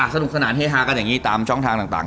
สนุกสนานเฮฮากันอย่างนี้ตามช่องทางต่าง